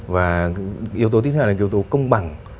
và yếu tố tiếp theo là yếu tố công bằng